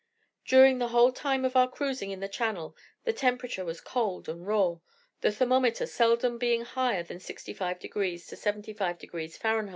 During the whole time of our cruising in the Channel, the temperature was cold and raw, the thermometer seldom being higher than 65 to 75 degrees Fah.